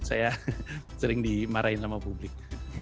saya sering dimarahin sama publik